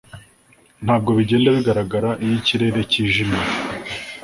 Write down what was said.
Ntabwo bigenda bigaragara iyo ikirere cyijimye